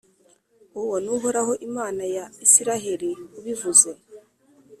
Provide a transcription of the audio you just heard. Uwo ni Uhoraho, Imana ya Israheli ubivuze.